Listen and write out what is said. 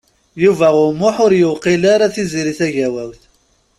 Yuba U Muḥ ur yewqil ara Tiziri Tagawawt.